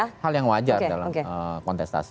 ini hal yang wajar dalam kontestasi